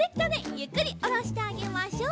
ゆっくりおろしてあげましょう。